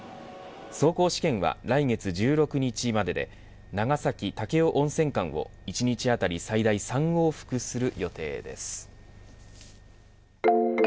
走行試験は来月１６日までで長崎、武雄温泉間を１日当たり最大３往復する予定です。